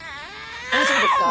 大丈夫ですか？